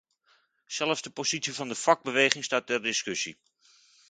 Zelfs de positie van de vakbeweging staat ter discussie.